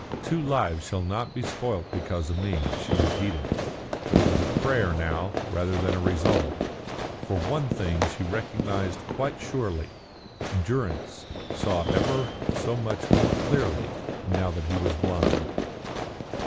"Two lives shall not be spoilt because of me," she repeated, but it was a prayer now, rather than a resolve. For one thing she recognised quite surely: Durrance saw ever so much more clearly now that he was blind.